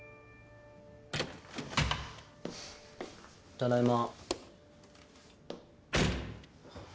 ただいま。